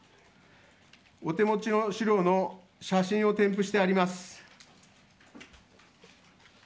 お手持ちの資料に写真を添付してあります。